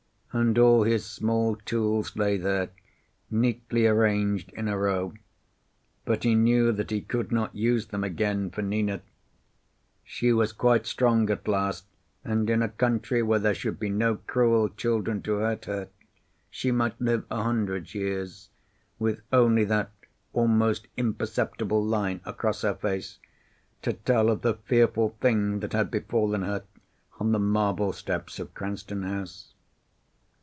And all his small tools lay there, neatly arranged in a row, but he knew that he could not use them again for Nina. She was quite strong at last, and in a country where there should be no cruel children to hurt her she might live a hundred years, with only that almost imperceptible line across her face to tell of the fearful thing that had befallen her on the marble steps of Cranston House.